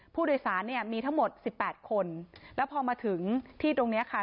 ผู้โดยสารเนี่ยมีทั้งหมดสิบแปดคนแล้วพอมาถึงที่ตรงเนี้ยค่ะ